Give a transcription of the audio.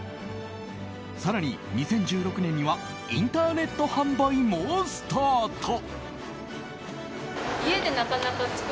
更に２０１６年にはインターネット販売もスタート。